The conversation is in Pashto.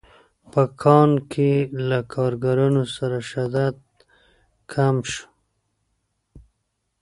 په کان کې له کارګرانو سره شدت کم شو